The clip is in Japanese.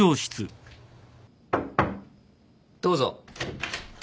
どうぞ。